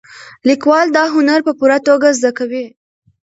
لیکوال دا هنر په پوره توګه زده دی.